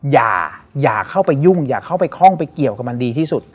อย่าเข้าไปยุ่งอย่าเข้าไปคล่องไปเกี่ยวกับมันดีที่สุด